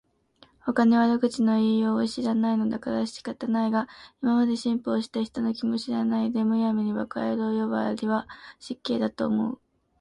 ほかに悪口の言いようを知らないのだから仕方がないが、今まで辛抱した人の気も知らないで、無闇に馬鹿野郎呼ばわりは失敬だと思う